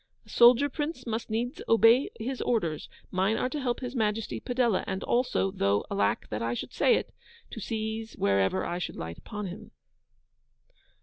'A soldier, Prince, must needs obey his orders: mine are to help His Majesty Padella. And also (though alack that I should say it!) to seize wherever I should light upon him.